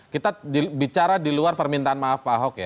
kita bicara di luar permintaan maaf pak ahok ya